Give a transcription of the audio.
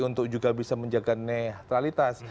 untuk juga bisa menjaga netralitas